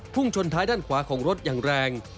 ชนท้ายด้านขวาของรถอย่างแรง